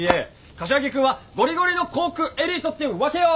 柏木君はゴリゴリの航空エリートってわけよ！